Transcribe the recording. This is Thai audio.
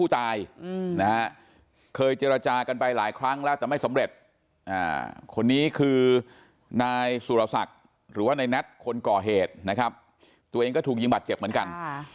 ตัวเองก็ถูกยิงบัตรเจ็บเหมือนกัน